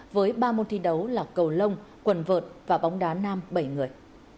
với ba môn thi đấu là cầu lông quần vợt và bóng đá nam bảy người